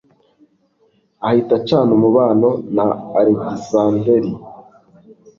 ahita acana umubano na alegisanderi